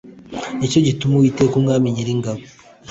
ni cyo gituma uwiteka umwami nyiringabo